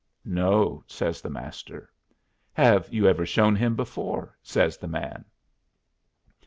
"No," says the Master. "Have you ever shown him before?" says the man.